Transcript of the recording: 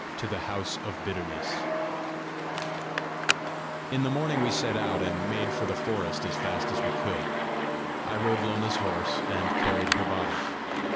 TO THE HOUSE OF BITTERNESS In the morning we set out, and made for the forest as fast as we could. I rode Lona's horse, and carried her body.